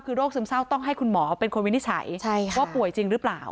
คือโรคซึมเศร้าต้องให้คุณหมอเป็นคนวินิจฉัยว่าป่วยจริงหรือเปล่า